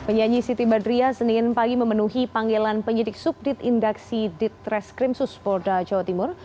penyanyi siti badriah senin pagi memenuhi panggilan penyidik subdit indaksi ditres krimsus polda jawa timur